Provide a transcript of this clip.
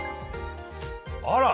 あら！